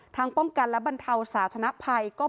ทังป้องกันและบันเทาสาธนภัย